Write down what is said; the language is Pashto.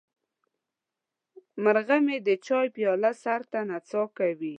مرغه مې د چای پیاله سر ته نڅا کوي.